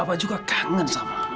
bapak juga kangen sama anak kita bu